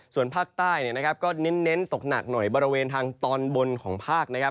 ส่วนภาคใต้ก็เน้นตกหนักหน่อยบริเวณทางตอนบนของภาคนะครับ